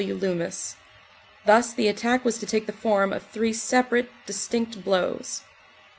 W. Loomis. Thus the attack was to take the form of three separate, distinct blows.